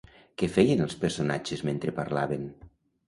Què feien els personatges mentre parlaven?